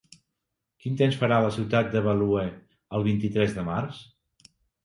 Quin temps farà a la ciutat de Value el vint-i-tres de març?